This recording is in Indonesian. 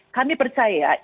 kami percaya ya